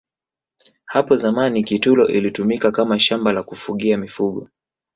hapo zamani kitulo ilitumika Kama shamba la kufugia mifugo